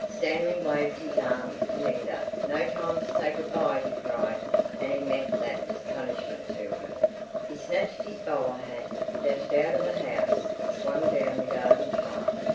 Stanley waved his arm to Linda. "No time to say good bye!" he cried. And he meant that as a punishment to her. He snatched his bowler hat, dashed out of the house, and swung down the garden path.